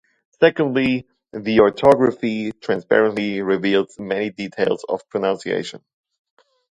Secondly, the orthography transparently reveals many details of pronunciation.